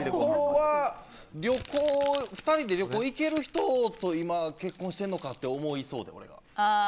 旅行は、２人で旅行行ける人と今、結婚してるのかなと思いそうだわ。